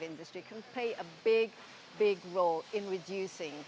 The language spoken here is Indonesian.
industri otomotif bisa memiliki peran besar